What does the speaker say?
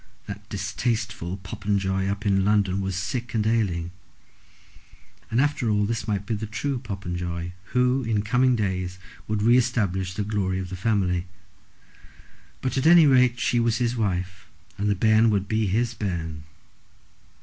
That distasteful Popenjoy up in London was sick and ailing; and after all this might be the true Popenjoy who, in coming days, would re establish the glory of the family. But, at any rate, she was his wife, and the bairn would be his bairn.